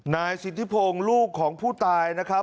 นายสิทธิพงศ์ลูกของผู้ตายนะครับ